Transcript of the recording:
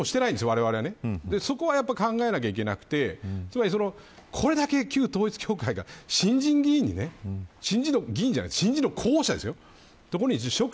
われわれそこやっぱ考えなきゃいけなくてこれだけ旧統一教会が新人議員に新人の議員じゃない新人の候補者ですよ。